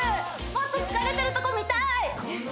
もっと疲れてるとこ見たい！